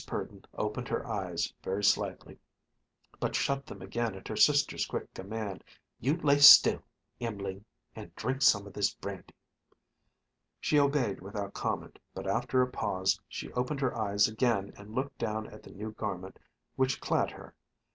Purdon opened her eyes very slightly, but shut them again at her sister's quick command, "You lay still, Em'line, and drink some of this brandy." She obeyed without comment, but after a pause she opened her eyes again and looked down at the new garment which clad her.